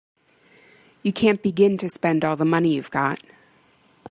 You can't begin to spend all the money you've got.